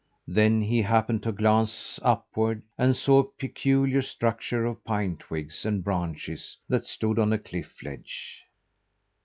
Then he happened to glance upward and saw a peculiar structure of pine twigs and branches that stood on a cliff ledge.